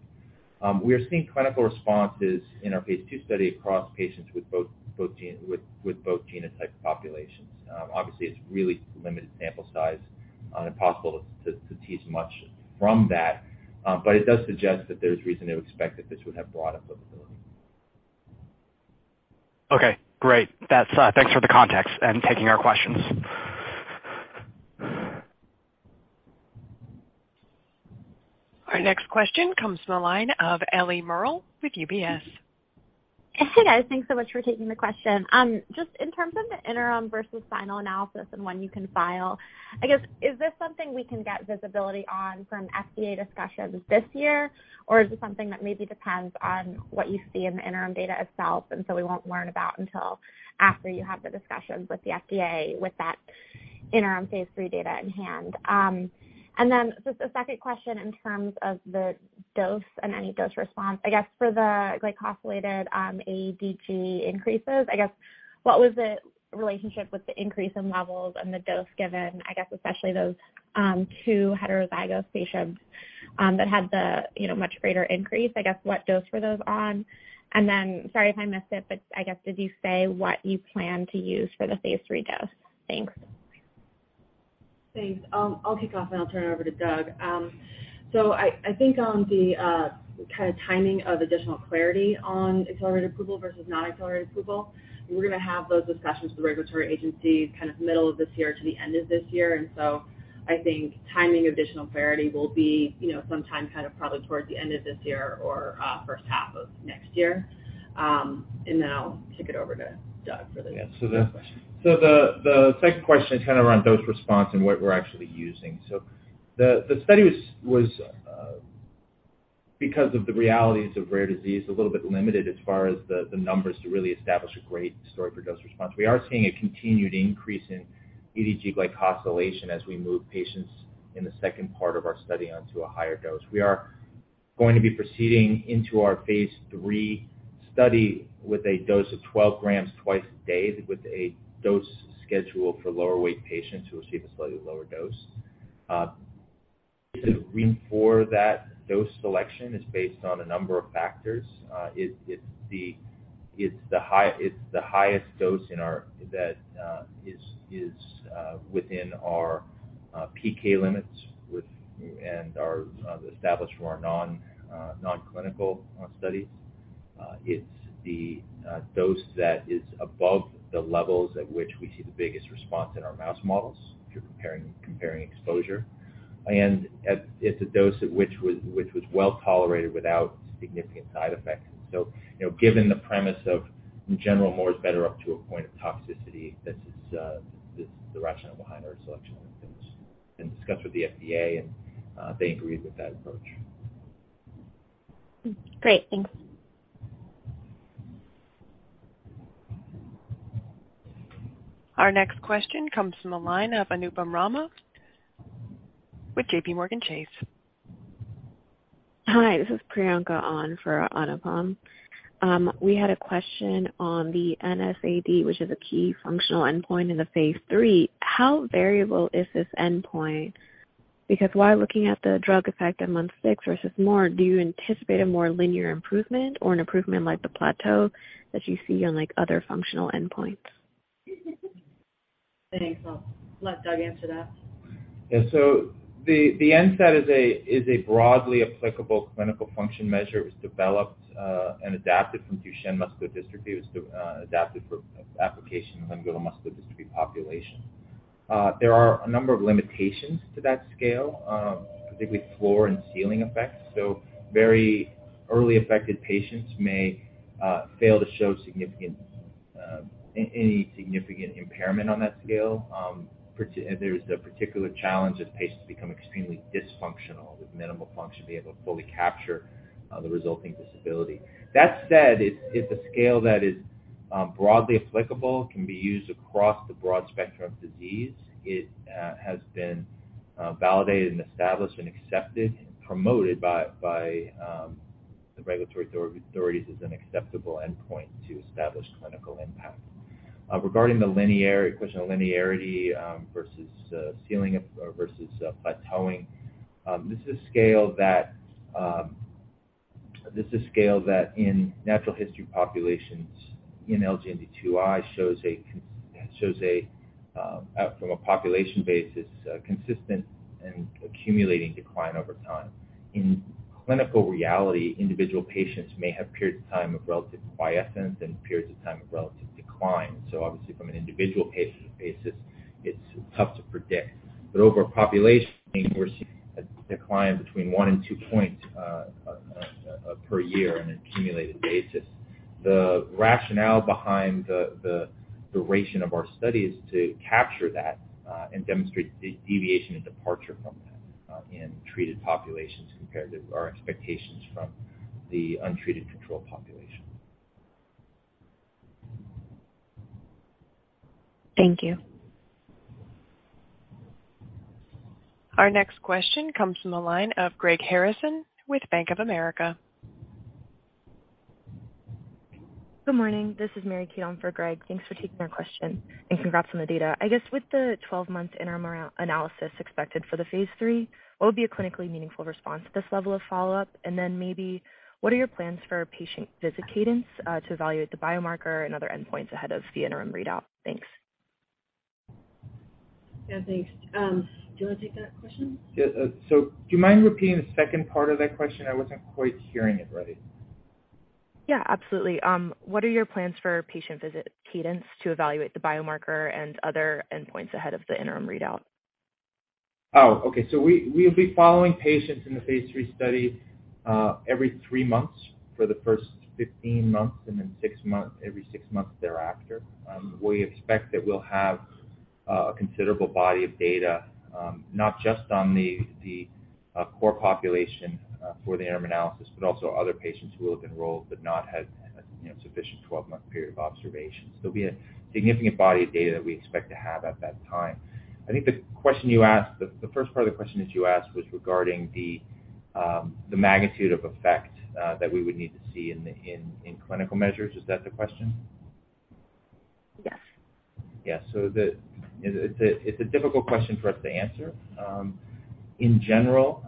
We are seeing clinical responses in our Phase 2 study across patients with both genotype populations. Obviously, it's really limited sample size, and impossible to tease much from that. But it does suggest that there's reason to expect that this would have broad applicability. Okay, great. That's, thanks for the context and taking our questions. Our next question comes from the line of Ellie Merle with UBS. Hey, guys. Thanks so much for taking the question. Just in terms of the interim versus final analysis and when you can file, I guess, is this something we can get visibility on from FDA discussions this year? Is this something that maybe depends on what you see in the interim data itself, and so we won't learn about until after you have the discussions with the FDA with that interim Phase 3 data in hand. Just a second question in terms of the dose and any dose response. I guess for the glycosylated, αDG increases, I guess what was the relationship with the increase in levels and the dose given, I guess, especially those, two heterozygous patients, that had the, you know, much greater increase? I guess, what dose were those on? Sorry if I missed it, but I guess, did you say what you plan to use for the phase III dose? Thanks. Thanks. I'll kick off, and I'll turn it over to Doug. I think on the kind of timing of additional clarity on accelerated approval versus not accelerated approval, we're gonna have those discussions with regulatory agencies kind of middle of this year to the end of this year. I think timing of additional clarity will be, you know, sometime kind of probably towards the end of this year or first half of next year. I'll kick it over to Doug for the- Yeah. dose question? The second question is kind of around dose response and what we're actually using. The study was, because of the realities of rare disease, a little bit limited as far as the numbers to really establish a great story for dose response. We are seeing a continued increase in αDG glycosylation as we move patients in the second part of our study onto a higher dose. We are going to be proceeding into our Phase 3 study with a dose of 12 grams twice a day with a dose schedule for lower weight patients who receive a slightly lower dose. Reason for that dose selection is based on a number of factors. It's the high... It's the highest dose in our that is within our PK limits with and are established for our non-clinical studies. It's the dose that is above the levels at which we see the biggest response in our mouse models if you're comparing exposure. At it's a dose which was well tolerated without significant side effects. You know, given the premise of, in general, more is better up to a point of toxicity, this is the rationale behind our selection of the dose. Discussed with the FDA, and they agreed with that approach. Great. Thanks. Our next question comes from the line of Anupam Rama with JPMorgan Chase. Hi, this is Priyanka on for Anupam. We had a question on the NSAD, which is a key functional endpoint in the phase 3. How variable is this endpoint? Because while looking at the drug effect at month 6 versus more, do you anticipate a more linear improvement or an improvement like the plateau that you see on, like, other functional endpoints? Thanks. I'll let Doug answer that. The NSAD is a broadly applicable clinical function measure. It was developed and adapted from Duchenne muscular dystrophy. It was adapted for application in limb-girdle muscular dystrophy population. There are a number of limitations to that scale, particularly floor and ceiling effects. Very early-affected patients may fail to show significant any significant impairment on that scale. And there's the particular challenge if patients become extremely dysfunctional, with minimal function being able to fully capture the resulting disability. That said, it's a scale that is broadly applicable, can be used across the broad spectrum of disease. It has been validated and established and accepted and promoted by the regulatory authorities as an acceptable endpoint to establish clinical impact. Regarding the question on linearity, versus ceiling versus plateauing, this is a scale that in natural history populations in LGMD2I shows a from a population basis, consistent and accumulating decline over time. In clinical reality, individual patients may have periods of time of relative quiescence and periods of time of relative decline. Obviously from an individual patient basis, it's tough to predict. Over a population, we're seeing a decline between 1 and 2 points per year on an accumulated basis. The rationale behind the duration of our study is to capture that and demonstrate the deviation and departure from that in treated populations compared to our expectations from the untreated control population. Thank you. Our next question comes from the line of Greg Harrison with Bank of America. Good morning. This is Mary Keown for Greg. Thanks for taking our question and congrats on the data. I guess with the 12-month interim analysis expected for the phase III, what would be a clinically meaningful response to this level of follow-up? Then maybe what are your plans for patient visit cadence to evaluate the biomarker and other endpoints ahead of the interim readout? Thanks. Yeah, thanks. Do you wanna take that question? Yeah. Do you mind repeating the second part of that question? I wasn't quite hearing it right. Absolutely. What are your plans for patient visit cadence to evaluate the biomarker and other endpoints ahead of the interim readout? Okay. We'll be following patients in the phase 3 study, every three months for the first 15 months and then every six months thereafter. We expect that we'll have a considerable body of data, not just on the core population for the interim analysis, but also other patients who will have enrolled but not had, you know, sufficient 12-month period of observations. There'll be a significant body of data that we expect to have at that time. I think the question you asked, the first part of the question that you asked was regarding the magnitude of effect that we would need to see in clinical measures. Is that the question? Yes. It's a difficult question for us to answer. In general,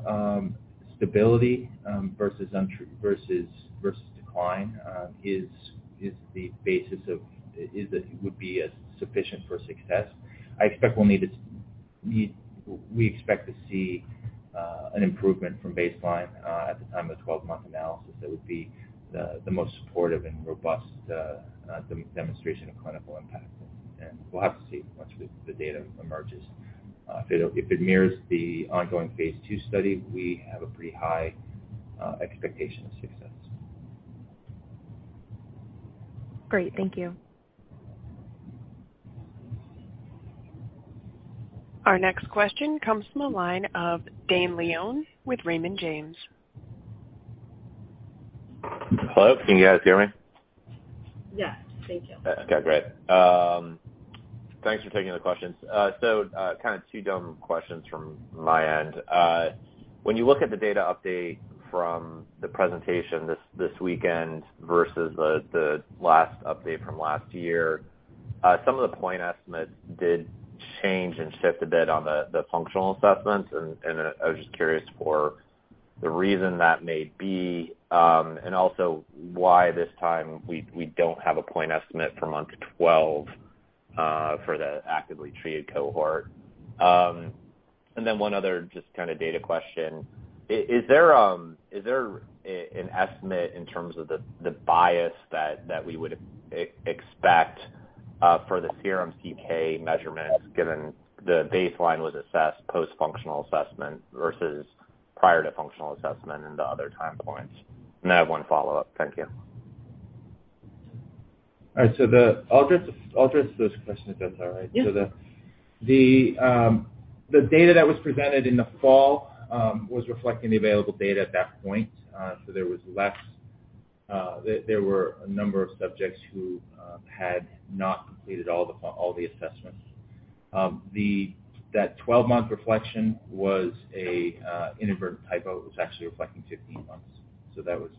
stability versus decline is the basis of it would be as sufficient for success. I expect we'll need We expect to see an improvement from baseline at the time of the 12-month analysis. That would be the most supportive and robust demonstration of clinical impact. We'll have to see once the data emerges. If it mirrors the ongoing phase 2 study, we have a pretty high expectation of success. Great. Thank you. Our next question comes from the line of Dane Leone with Raymond James. Hello. Can you guys hear me? Yes. Thank you. Okay, great. Thanks for taking the questions. Kind of two dumb questions from my end. When you look at the data update from the presentation this weekend versus the last update from last year, some of the point estimates did change and shift a bit on the functional assessments. I was just curious for the reason that may be, and also why this time we don't have a point estimate for month 12 for the actively treated cohort. Then one other just kinda data question. Is there, is there an estimate in terms of the bias that we would expect for the serum CK measurements given the baseline was assessed post-functional assessment versus prior to functional assessment in the other time points? I have one follow-up. Thank you. All right. I'll address those questions if that's all right. Yeah. The data that was presented in the fall was reflecting the available data at that point. There was less, there were a number of subjects who had not completed all the assessments. The that 12-month reflection was an inadvertent typo. It was actually reflecting 15 months, that was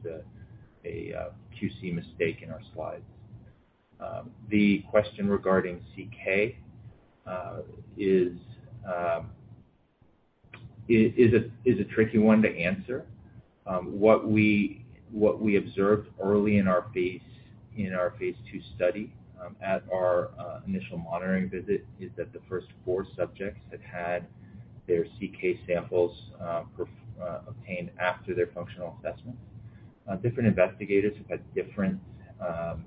a QC mistake in our slides. The question regarding CK is a tricky one to answer. What we observed early in our phase 2 study, at our initial monitoring visit is that the first four subjects had their CK samples obtained after their functional assessment. Different investigators have had different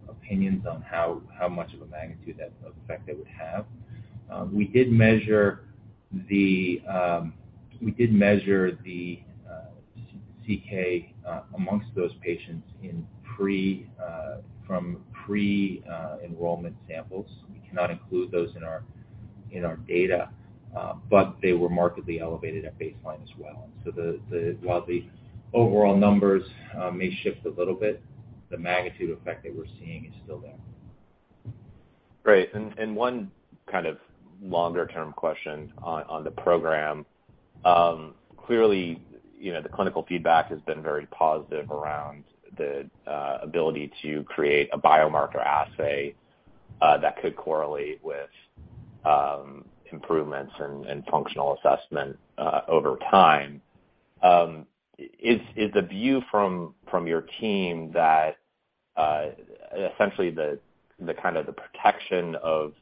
opinions on how much of a magnitude of effect that would have. We did measure the CK amongst those patients in pre from pre enrollment samples. We cannot include those in our data, but they were markedly elevated at baseline as well. While the overall numbers may shift a little bit, the magnitude effect that we're seeing is still there. Great. One kind of longer-term question on the program. Clearly, you know, the clinical feedback has been very positive around the ability to create a biomarker assay, that could correlate with improvements and functional assessment, over time. Is the view from your team that essentially the kind of the protection of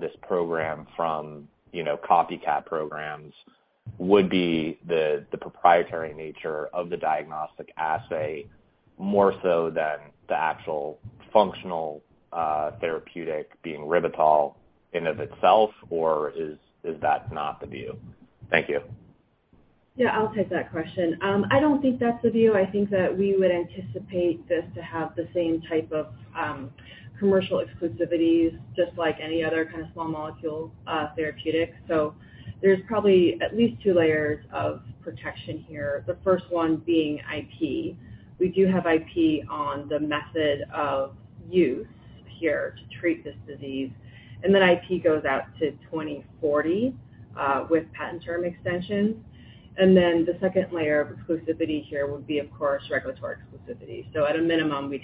this program from, you know, copycat programs would be the proprietary nature of the diagnostic assay, more so than the actual functional therapeutic being ribitol in of itself, or is that not the view? Thank you. Yeah, I'll take that question. I don't think that's the view. I think that we would anticipate this to have the same type of commercial exclusivities just like any other kind of small molecule therapeutic. There's probably at least two layers of protection here. The first one being IP. We do have IP on the method of use here to treat this disease, IP goes out to 2040 with patent term extensions. The second layer of exclusivity here would be, of course, regulatory exclusivity. At a minimum, we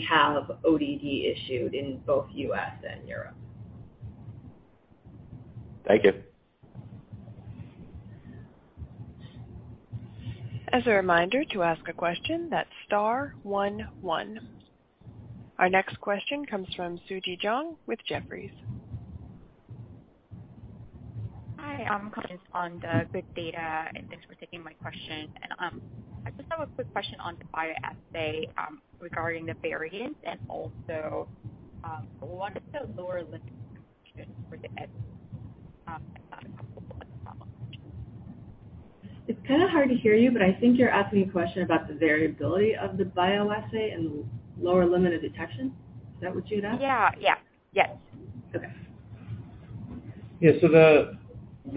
have ODD issued in both U.S. and Europe. Thank you. As a reminder, to ask a question, that's star one one. Our next question comes from Suji Jeong with Jefferies. Hi, I'm calling on the good data, and thanks for taking my question. I just have a quick question on the bioassay regarding the variance and also, what is the lower limit for the? It's kinda hard to hear you, but I think you're asking a question about the variability of the bioassay and lower limit of detection. Is that what you asked? Yeah. Yeah. Yes. Okay. Yeah. Let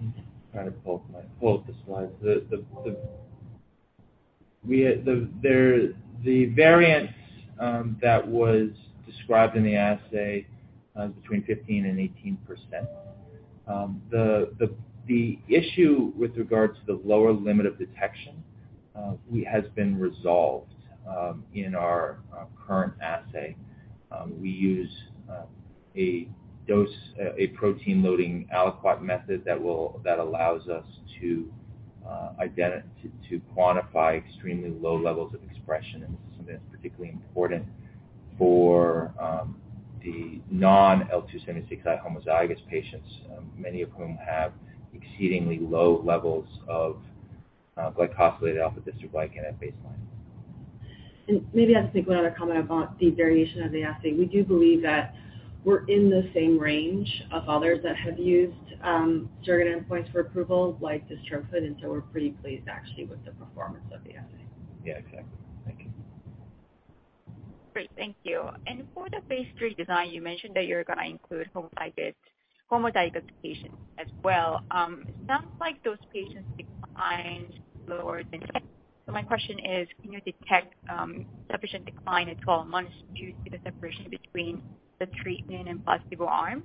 me try to pull my, pull up the slide. We had the, there, the variance that was described in the assay between 15% and 18%. The issue with regards to the lower limit of detection has been resolved in our current assay. We use a dose a protein loading aliquot method that allows us to quantify extremely low levels of expression. This is something that's particularly important for the non L276I homozygous patients, many of whom have exceedingly low levels of glycosylated alpha-dystroglycan at baseline. Maybe I'll just make one other comment about the variation of the assay. We do believe that we're in the same range of others that have used surrogate endpoints for approval, like ELEVIDYS, and so we're pretty pleased actually with the performance of the assay. Yeah, exactly. Thank you. Great. Thank you. For the phase 3 design, you mentioned that you're gonna include homozygous patients as well. It sounds like those patients declined lower than. My question is, can you detect sufficient decline at 12 months due to the separation between the treatment and placebo arm?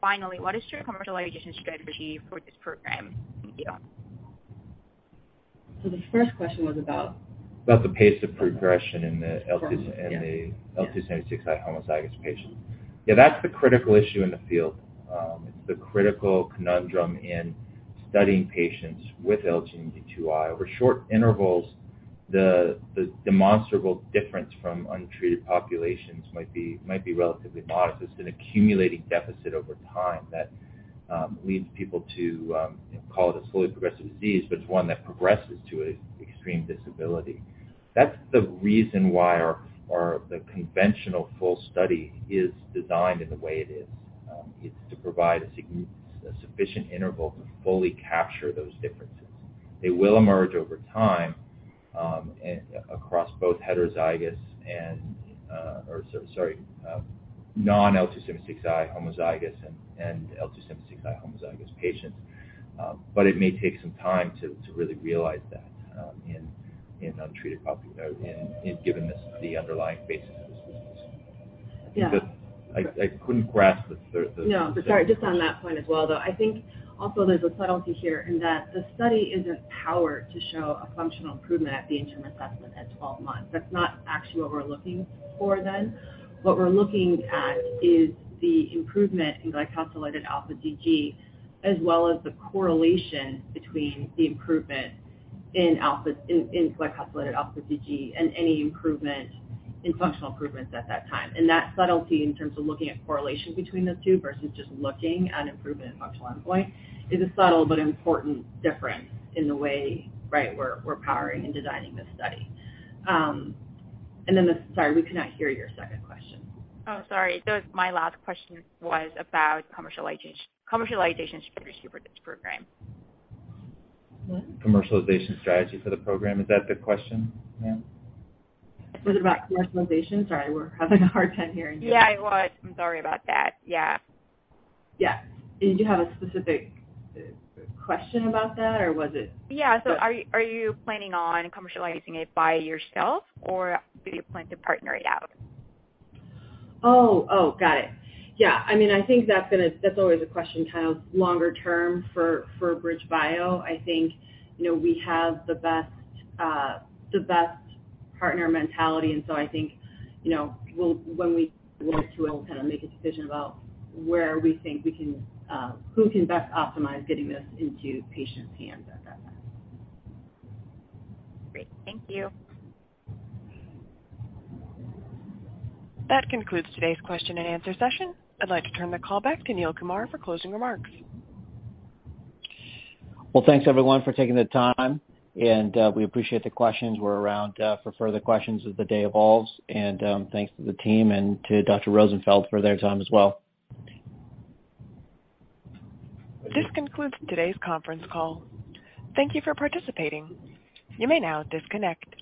Finally, what is your commercialization strategy for this program? Thank you. The first question was about. About the pace of progression in the L 2- Yeah. In the L276I homozygous patients. Yeah, that's the critical issue in the field. It's the critical conundrum in studying patients with LGMD2I. Over short intervals, the demonstrable difference from untreated populations might be relatively modest. It's an accumulating deficit over time that leads people to, you know, call it a slowly progressive disease, but it's one that progresses to a extreme disability. That's the reason why our, the conventional full study is designed in the way it is. It's to provide a sufficient interval to fully capture those differences. They will emerge over time, across both heterozygous and, or sorry, non L276I homozygous and L276I homozygous patients. It may take some time to really realize that, in given this, the underlying basis of this disease. Yeah. I couldn't grasp. No, sorry. Just on that point as well, though. I think also there's a subtlety here in that the study isn't powered to show a functional improvement at the interim assessment at 12 months. That's not actually what we're looking for then. What we're looking at is the improvement in glycosylated alpha DG, as well as the correlation between the improvement in glycosylated alpha DG and any improvement in functional improvements at that time. That subtlety in terms of looking at correlation between those two versus just looking at improvement in functional endpoint is a subtle but important difference in the way, right, we're powering and designing this study. Sorry, we cannot hear your second question. Oh, sorry. My last question was about commercialization strategy for this program. What? Commercialization strategy for the program. Is that the question, ma'am? It was about commercialization? Sorry, we're having a hard time hearing you. Yeah, I was. I'm sorry about that. Yeah. Yeah. Did you have a specific question about that, or was it? Yeah. Are you planning on commercializing it by yourself or do you plan to partner it out? Oh, got it. Yeah. I mean, I think that's gonna, that's always a question kind of longer term for BridgeBio. I think, you know, we have the best partner mentality, and so I think, you know, we'll when we get to it, we'll kinda make a decision about where we think we can, who can best optimize getting this into patients' hands at that time. Great. Thank you. That concludes today's question and answer session. I'd like to turn the call back to Neil Kumar for closing remarks. Well, thanks everyone for taking the time, and we appreciate the questions. We're around for further questions as the day evolves and thanks to the team and to Dr. Rosenfeld for their time as well. This concludes today's conference call. Thank you for participating. You may now disconnect.